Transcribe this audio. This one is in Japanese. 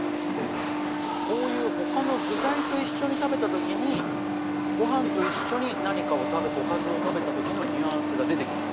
こういう他の具材と一緒に食べた時にご飯と一緒におかずを食べた時のニュアンスが出て来ます。